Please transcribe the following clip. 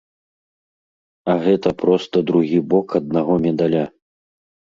А гэта проста другі бок аднаго медаля.